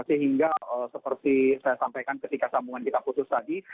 sehingga seperti saya sampaikan ketika sambungan kita putus tadi